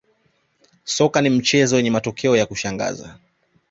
soka ni mchezo wenye matokeo ya kushangaza